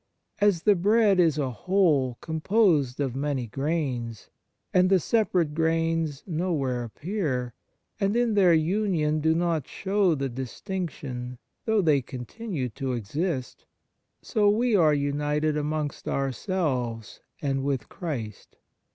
As the bread is a whole composed of many grains, and the separate grains nowhere appear, and in their union do not show the distinction though they continue to exist, so we are united amongst our selves and with Christ.